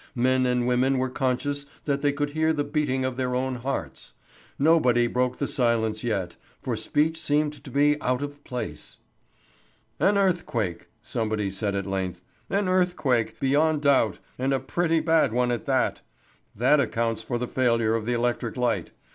Men and women were conscious that they could hear the beating of their own hearts. Nobody broke the silence yet, for speech seemed to be out of place. "An earthquake," somebody said at length. "An earthquake, beyond doubt, and a pretty bad one at that. That accounts for the failure of the electric light.